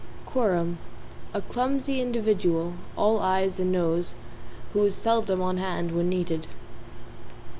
=QUORUM= A clumsy individual, all Ayes and Noes, who is seldom on hand when needed.